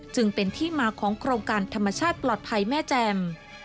จึงเป็นที่มาของโครงการธรรมชาติปลอดภัยแม่แจ่ม